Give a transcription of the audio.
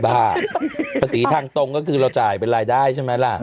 ภาษีทางตรงก็คือเราจ่ายเป็นรายได้ใช่ไหมล่ะ